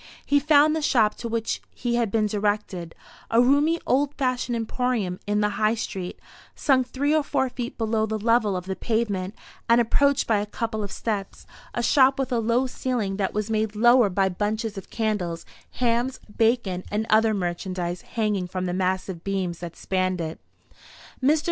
He found the shop to which he had been directed a roomy old fashioned emporium in the High street, sunk three or four feet below the level of the pavement, and approached by a couple of steps; a shop with a low ceiling, that was made lower by bunches of candles, hams, bacon, and other merchandise hanging from the massive beams that spanned it. Mr.